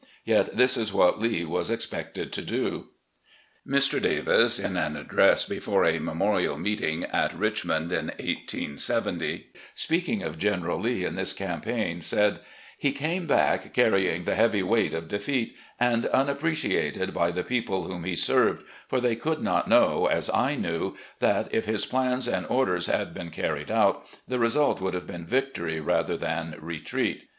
Yet this is what Lee was expected to do." Mr. Davis, in an address before a memorial meeting at Richmond in 1870, speaking of General Lee in this cam paign, said: LETTERS TO WIFE AND DAUGHTERS 53 " He came back, carrying the heavy weight of defeat, and unappreciated by the people whom he served, for they could not know, as I knew, that, if his plans and orders had been carried out, the result would have been victory rather than retreat.